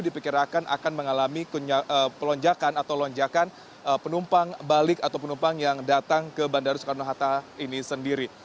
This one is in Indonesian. diperkirakan akan mengalami pelonjakan atau lonjakan penumpang balik atau penumpang yang datang ke bandara soekarno hatta ini sendiri